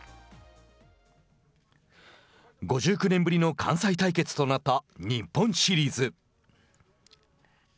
５９年ぶりの関西対決となった日本シリーズ。